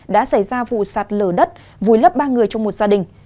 đã xảy ra vụ sạt lở đất vùi lấp ba người trong một gia đình